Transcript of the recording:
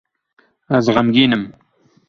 Ez xemgîn im.